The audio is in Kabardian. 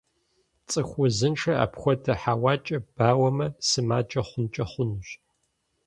ЦӀыху узыншэр апхуэдэ хьэуакӀэ бауэмэ, сымаджэ хъункӀэ хъунущ.